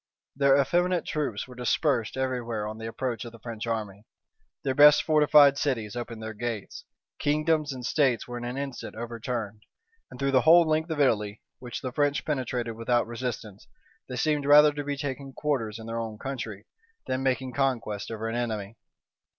Their effeminate troops were dispersed every where on the approach of the French army: their best fortified cities opened their gates: kingdoms and states were in an instant overturned; and through the whole length of Italy, which the French penetrated without resistance, they seemed rather to be taking quarters in their own country, than making conquests over an enemy.